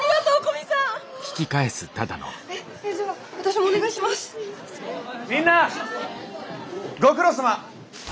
みんなご苦労さま！